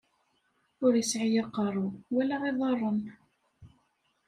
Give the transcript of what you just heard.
Ur isɛi aqeṛṛu, wala iḍaṛṛen.